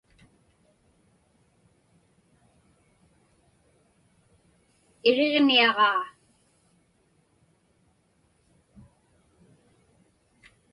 Iriġniaġaa.